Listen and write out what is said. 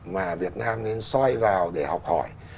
mà việt nam nên xoay vào để học hỏi